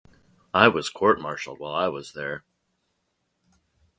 I was court-martialled while I was there.